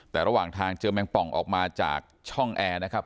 แต่ระหว่างทางเจอแมงป่องออกมาจากช่องแอร์นะครับ